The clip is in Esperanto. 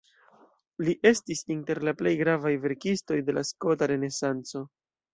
Li estis inter la plej gravaj verkistoj de la skota renesanco.